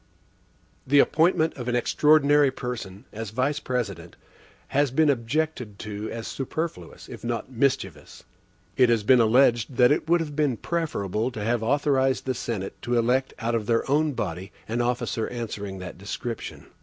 The appointment of an extraordinary person, as Vice President, has been objected to as superfluous, if not mischievous. It has been alleged, that it would have been preferable to have authorized the Senate to elect out of their own body an officer answering that description.